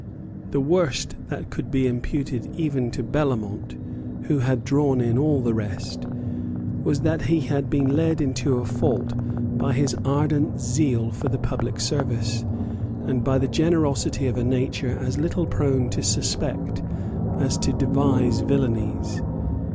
The worst that could be imputed even to Bellamont, who had drawn in all the rest, was that he had been led into a fault by his ardent zeal for the public service, and by the generosity of a nature as little prone to suspect as to devise villanies.